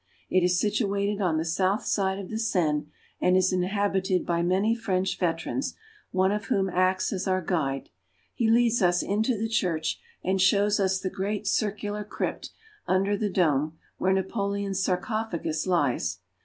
It is situated on the south side of the Seine, and is inhab ited by many French veterans, one of whom acts as our guide. He leads us into the church, and shows us the great circular crypt under the dome, where Na poleon's sarcopha gus lies.